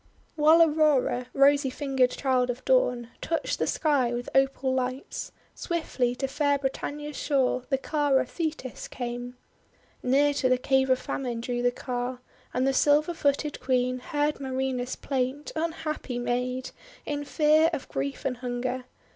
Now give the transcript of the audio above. ««•••«••• While Aurora, rosy fingered Child of Dawn, touched the Sky with opal lights, swiftly to fair Britannia's shore the car of Thetis came. 104 THE WONDER GARDEN Near to the Cave of Famine drew the car, and the silver footed Queen heard Marina's plaint — unhappy maid! — in fear of grief and hunger.